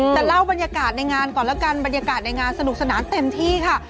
แต่เล่าบรรยากาศในงานก่อนแล้วกันบรรยากาศในงานสนุกสนานเต็มที่ค่ะ